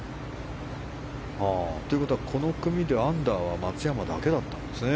ということはこの組でアンダーは松山だけだったんですね。